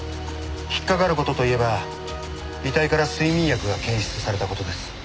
引っかかる事といえば遺体から睡眠薬が検出された事です。